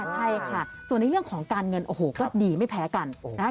ใช่ค่ะส่วนในเรื่องของการเงินโอ้โหก็ดีไม่แพ้กันนะคะ